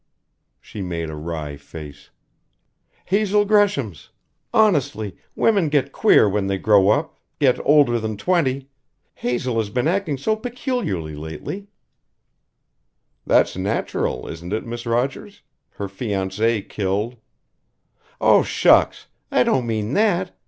She made a wry face: "Hazel Gresham's. Honestly, women get queer when they grow up get older than twenty. Hazel has been acting so peculiarly lately " "That's natural, isn't it, Miss Rogers? Her fiancé killed " "Oh! shucks! I don't mean that.